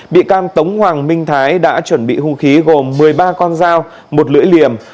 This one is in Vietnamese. bị can tống hoàng minh thái đã chuẩn bị hung khí gồm một mươi ba con dao một lưỡi liềm